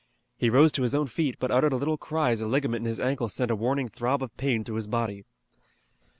He rose to his own feet, but uttered a little cry as a ligament in his ankle sent a warning throb of pain through his body.